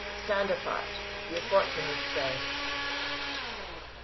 Stand apart; your fortune is said."